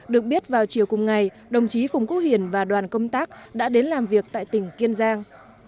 được biết vào chiều cùng ngày đồng chí phùng quốc hiển và đoàn công tác đã đến làm việc tại tỉnh kiên giang